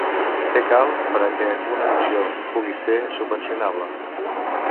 Què cal per a què una acció pugui ser subvencionable?